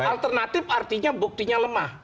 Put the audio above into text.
alternatif artinya buktinya lemah